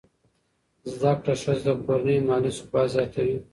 زده کړه ښځه د کورنۍ مالي ثبات زیاتوي.